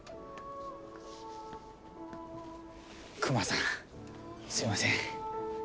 クマさんすいません。